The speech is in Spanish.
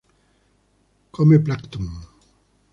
Come plancton.